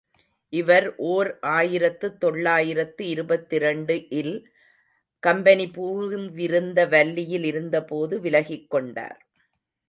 இவர் ஓர் ஆயிரத்து தொள்ளாயிரத்து இருபத்திரண்டு இல் கம்பெனி பூவிருந்தவல்லியில் இருந்தபோது விலகிக்கொண்டார்.